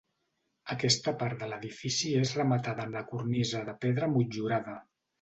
Aquesta part de l'edifici és rematada amb la cornisa de pedra motllurada.